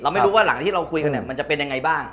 ไม่รู้ว่าหลังที่เราคุยกันเนี่ยมันจะเป็นยังไงบ้าง